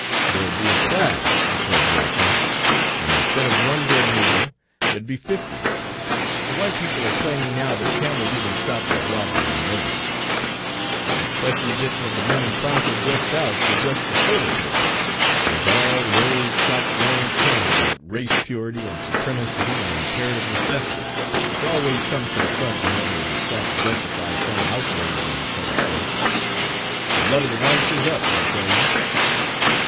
"There'd be a clash," declared Watson, "and instead of one dead negro there'd be fifty. The white people are claiming now that Campbell didn't stop with robbery and murder. A special edition of the Morning Chronicle, just out, suggests a further purpose, and has all the old shopworn cant about race purity and supremacy and imperative necessity, which always comes to the front whenever it is sought to justify some outrage on the colored folks. The blood of the whites is up, I tell you!"